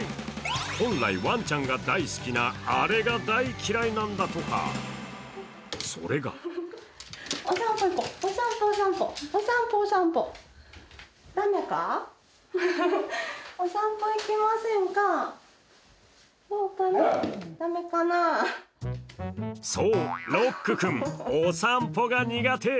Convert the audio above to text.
本来、ワンちゃんが大好きなアレが大嫌いなんだとか、それがそう、ロック君お散歩が苦手。